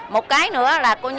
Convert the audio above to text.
một cái nữa là